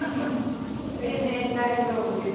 全然大丈夫です。